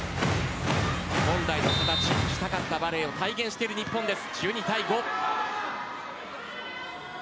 本来の形、したかったバレーを体現している日本です。